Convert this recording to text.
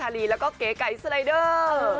ลีแล้วก็เก๋ไก่สไลเดอร์